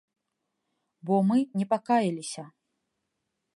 Бо мы не пакаяліся.